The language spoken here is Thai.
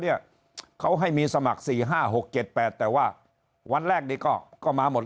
เนี่ยเขาให้มีสมัคร๔๕๖๗๘แต่ว่าวันแรกนี้ก็มาหมด